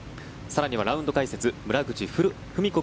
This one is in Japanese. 更には、ラウンド解説村口史子